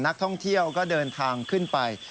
นักท่องเที่ยวก็เดินทางขึ้นไป